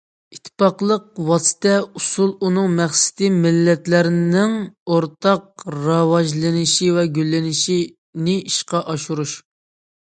ئىتتىپاقلىق ۋاسىتە، ئۇسۇل، ئۇنىڭ مەقسىتى مىللەتلەرنىڭ ئورتاق راۋاجلىنىشى ۋە گۈللىنىشىنى ئىشقا ئاشۇرۇش.